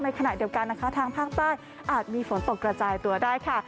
ขณะเดียวกันนะคะทางภาคใต้อาจมีฝนตกกระจายตัวได้ค่ะ